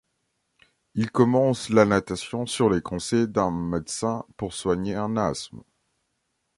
Il commence la natation sur les conseils d'un médecin pour soigner un asthme.